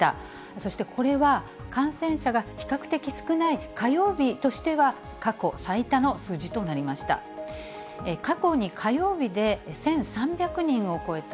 そしてこれは、感染者が比較的少ない火曜日としては、過去最多の数字となりました。